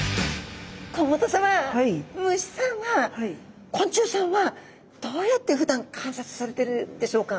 甲本さま虫さんは昆虫さんはどうやってふだん観察されてるでしょうか？